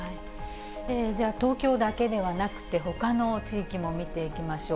じゃあ、東京だけではなくて、ほかの地域も見ていきましょう。